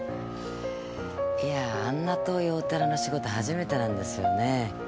いやあんな遠いお寺の仕事初めてなんですよね。